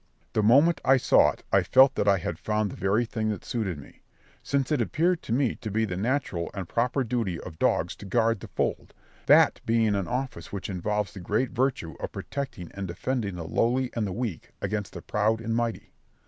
The moment I saw it, I felt that I had found the very thing that suited me, since it appeared to me to be the natural and proper duty of dogs to guard the fold, that being an office which involves the great virtue of protecting and defending the lowly and the weak against the proud and mighty.